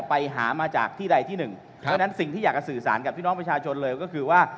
เพราะฉะนั้นสิ่งที่อยากจะสื่อสารกับพี่น้องประชาชนเลยก็คือว่า